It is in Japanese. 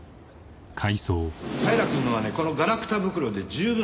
平くんのはねこのガラクタ袋で十分。